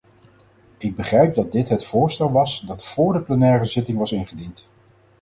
Ik begrijp dat dit het voorstel was dat vóór de plenaire zitting was ingediend.